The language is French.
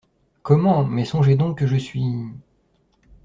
Comment… mais songez donc que je suis…